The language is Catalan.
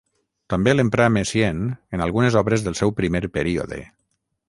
També l'emprà Messiaen en algunes obres del seu primer període.